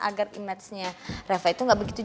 agar image nya reva itu nggak begitu